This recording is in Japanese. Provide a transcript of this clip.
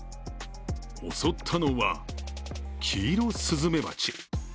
襲ったのはキイロスズメバチ。